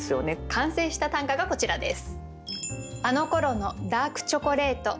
完成した短歌がこちらです。